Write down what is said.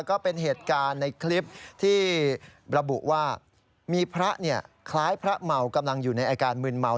ก็เป็นเหตุการณ์ในคลิปที่ระบุว่ามีพระคล้ายพระเมากำลังอยู่ในอาการมืนเมา